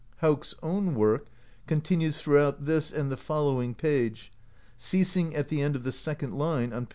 Hauk's own work continues throughout this and the fol lowing page, ceasing at the end of the second line on p.